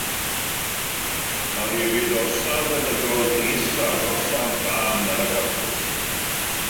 Mae hefyd orsaf feddygol frys a gorsaf dân ar y campws.